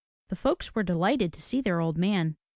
The folks were delighted to see their old man.